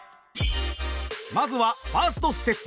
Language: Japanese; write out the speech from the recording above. まずはファーストステップ。